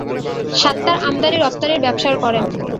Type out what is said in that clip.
সাত্তার আমদানী রপ্তানির ব্যবসার করেন।